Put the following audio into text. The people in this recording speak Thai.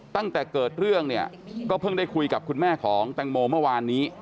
ตั้งแต่เกิดเรื่องเนี่ยก็เพิ่งได้คุยกับคุณแม่ของแตงโมเมื่อวานนี้